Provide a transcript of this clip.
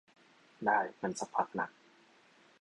ได้ งั้นซักพักนะ